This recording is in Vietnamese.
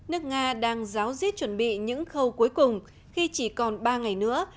nước nga đang giáo diết chuẩn bị những khâu cuối cùng khi chỉ còn ba ngày nữa